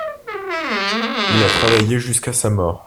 Il a travaillé jusqu'à sa mort.